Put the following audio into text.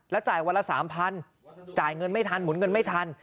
แล้วจ่ายวันละสามพันธุ์จ่ายเงินไม่ทันหมุนเงินไม่ทัน